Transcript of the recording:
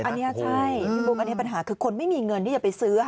อันนี้ใช่อันนี้เป็นปัญหาคือคนไม่มีเงินที่จะไปซื้อ